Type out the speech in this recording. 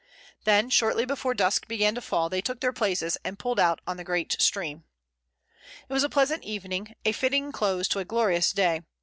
Then, shortly before dusk began to fall, they took their places and pulled out on the great stream. It was a pleasant evening, a fitting close to a glorious day.